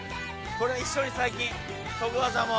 これ一緒に最近跳ぶ技も